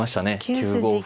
９五歩。